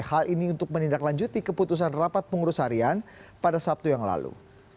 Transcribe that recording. hal ini untuk menindaklanjuti keputusan rapat pengurus harian pada sabtu yang lalu